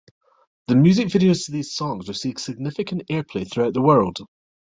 The music videos to these songs received significant airplay throughout the world.